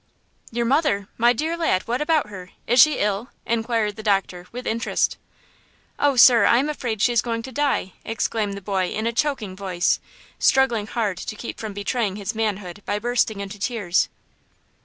"Your mother! My dear lad, what about her? Is she ill?" inquired the doctor, with interest. "Oh, sir, I am afraid she is going to die?" exclaimed the boy in a choking voice, struggling hard to keep from betraying his manhood by bursting into tears.